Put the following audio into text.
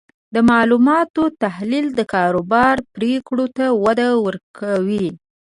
د معلوماتو تحلیل د کاروبار پریکړو ته وده ورکوي.